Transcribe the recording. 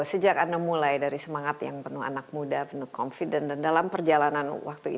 sejak anda mulai dari semangat yang penuh anak muda penuh confident dan berkembang